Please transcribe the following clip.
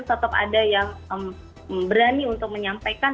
tetap ada yang berani untuk menyampaikan